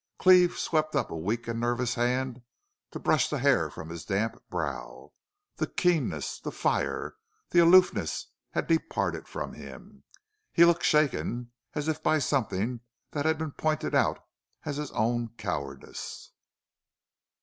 Cleve swept up a weak and nervous hand to brush the hair from his damp brow. The keenness, the fire, the aloofness had departed from him. He looked shaken as if by something that had been pointed out as his own cowardice.